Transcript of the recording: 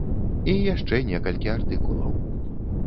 І яшчэ некалькі артыкулаў.